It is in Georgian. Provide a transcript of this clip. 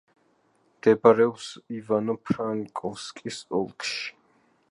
მდებარეობს ივანო-ფრანკოვსკის ოლქში.